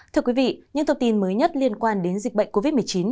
thưa quý vị những thông tin mới nhất liên quan đến dịch bệnh covid một mươi chín